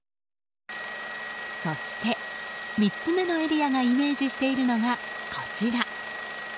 そして、３つ目のエリアがイメージしているのが、こちら。